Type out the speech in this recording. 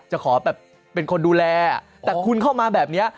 จะขอแบบเป็นคนดูแลแต่คุณเข้ามาแบบนี้